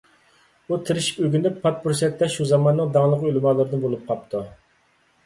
ئۇ تىرىشىپ ئۆگىنىپ، پات پۇرسەتتە شۇ زاماننىڭ داڭلىق ئۆلىمالىرىدىن بولۇپ قاپتۇ.